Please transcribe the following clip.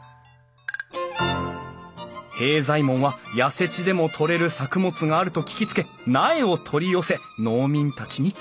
平左衛門は痩せ地でも採れる作物があると聞きつけ苗を取り寄せ農民たちにつくらせた。